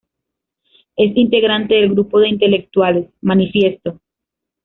Es integrante del grupo de intelectuales "Manifiesto".